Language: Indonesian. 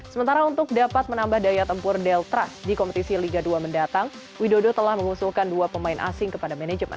sementara untuk dapat menambah daya tempur deltras di kompetisi liga dua mendatang widodo telah mengusulkan dua pemain asing kepada manajemen